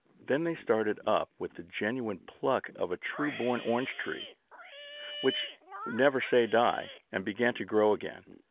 Then they started up with the genuine pluck of a true born orange tree, which never says die, and began to grow again.